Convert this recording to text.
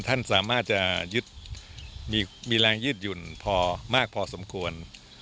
ท่านสามารถจะมีแรงยืดหยุ่นพอมากพอสมควร